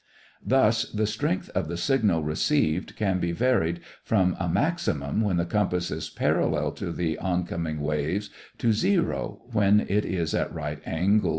Thus the strength of the signal received can be varied from a maximum, when the compass is parallel to the oncoming waves, to zero, when it is at right angles to them.